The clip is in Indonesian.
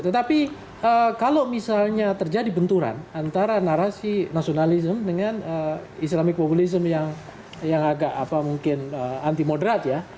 tetapi kalau misalnya terjadi benturan antara narasi nasionalisme dengan islamic populisme yang agak mungkin anti moderat ya